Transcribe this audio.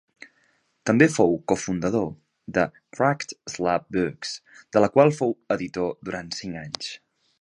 També fou cofundador de Cracked Slab Books, de la qual fou editor durant cinc anys.